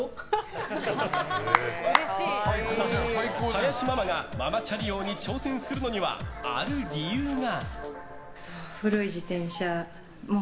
林ママがママチャリ王に挑戦するのにはある理由が。